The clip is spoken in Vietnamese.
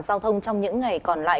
sau thông trong những ngày còn lại